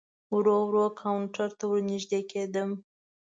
ورو ورو کاونټر ته ور نږدې کېدم.